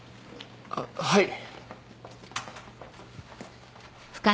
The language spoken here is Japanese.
あっはい。